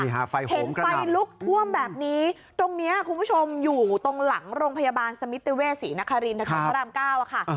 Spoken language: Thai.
เห็นไฟลุกท่วมแบบนี้ตรงเนี้ยคุณผู้ชมอยู่ตรงหลังโรงพยาบาลสมิติเวศรีนครินถนนพระรามเก้าอะค่ะ